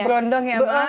berondong ya mbak